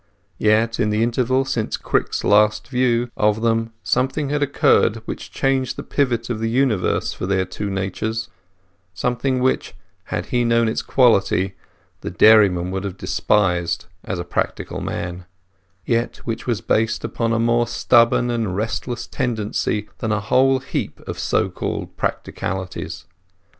Yet in the interval since Crick's last view of them something had occurred which changed the pivot of the universe for their two natures; something which, had he known its quality, the dairyman would have despised, as a practical man; yet which was based upon a more stubborn and resistless tendency than a whole heap of so called practicalities.